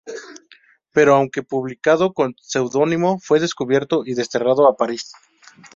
Pero aunque publicado con seudónimo, fue descubierto y desterrado a París.